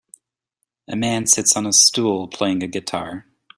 A man sits on a stool playing a guitar